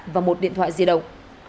và một điện thoại di động